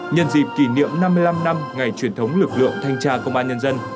nhân dịp kỷ niệm năm mươi năm năm ngày truyền thống lực lượng thanh tra công an nhân dân